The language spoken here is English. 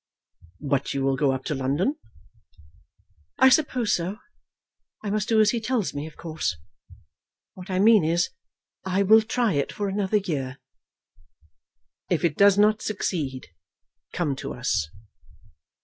"But you will go up to London?" "I suppose so. I must do as he tells me, of course. What I mean is, I will try it for another year." "If it does not succeed, come to us."